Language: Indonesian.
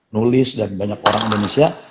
nulis dari banyak orang indonesia